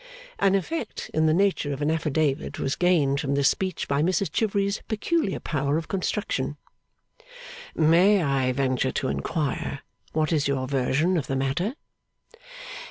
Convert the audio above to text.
An effect in the nature of an affidavit was gained from this speech by Mrs Chivery's peculiar power of construction. 'May I venture to inquire what is your version of the matter?